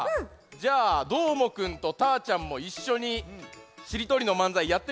じゃあどーもくんとたーちゃんもいっしょにしりとりのまんざいやってみますか。